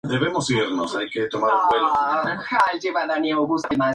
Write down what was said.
La población de hecho aumenta significativamente los fines de semana y periodos vacacionales.